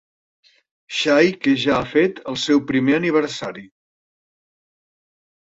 Xai que ja ha fet el seu primer aniversari.